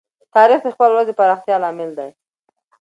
تاریخ د خپل ولس د پراختیا لامل دی.